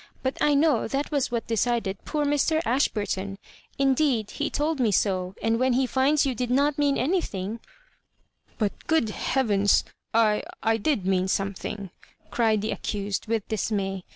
But I know that was what decided poor Mr. Ashburton. Indeed, he told me so; and when he finds you did not mean anything ^" "But, good heavens 1 — ^T — ^I did mean some thing," cried the accused, with dismay.